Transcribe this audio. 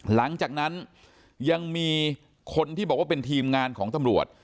หลังจากนั้นยังมีคนที่บอกว่าเป็นทีมงานของตำรวจ